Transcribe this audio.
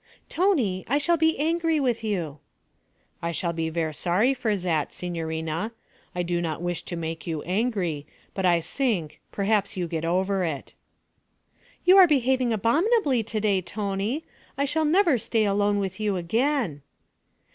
'Tony! I shall be angry with you.' 'I shall be ver' sorry for zat, signorina. I do not wish to make you angry, but I sink perhaps you get over it.' 'You are behaving abominably to day, Tony. I shall never stay alone with you again.'